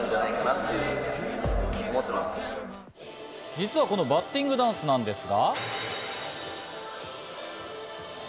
実はこのバッティングダンスなんですが。